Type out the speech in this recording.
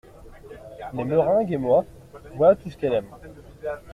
Les meringues et moi, voilà tout ce qu’elle aime.